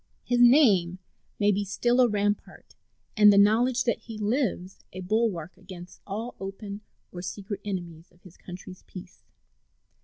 His name may be still a rampart, and the knowledge that he lives a bulwark, against all open or secret enemies of his country's peace.